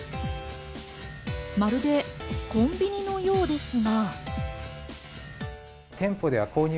まるでコンビニのようですが。